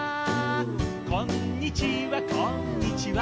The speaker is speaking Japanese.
「こんにちはこんにちは」